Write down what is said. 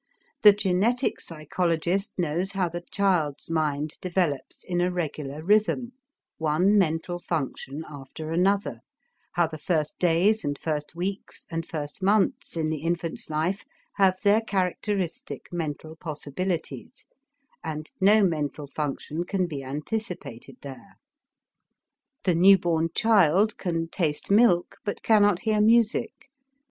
The genetic psychologist knows how the child's mind develops in a regular rhythm, one mental function after another, how the first days and first weeks and first months in the infant's life have their characteristic mental possibilities, and no mental function can be anticipated there. The new born child can taste milk, but cannot hear music.